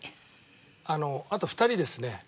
あのあと２人ですね